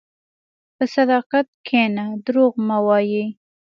په صداقت کښېنه، دروغ مه وایې.